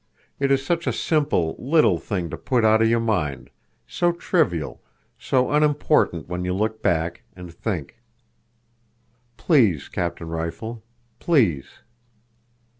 It is such a simple, little thing to put out of your mind, so trivial, so unimportant when you look back—and think. Please Captain Rifle—please!"